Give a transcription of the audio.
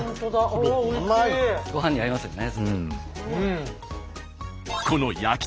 ご飯に合いますよね。